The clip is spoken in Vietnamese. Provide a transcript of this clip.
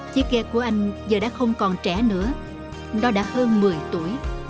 chiếc ghe của anh giờ đã không còn trẻ nữa nó đã hơn một mươi tuổi